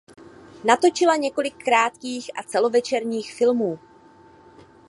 Natočila několik krátkých a celovečerních filmů.